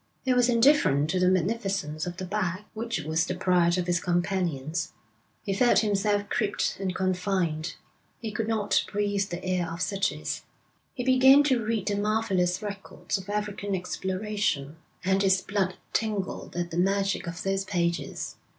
He was indifferent to the magnificence of the bag, which was the pride of his companions. He felt himself cribbed and confined. He could not breathe the air of cities. He began to read the marvellous records of African exploration, and his blood tingled at the magic of those pages.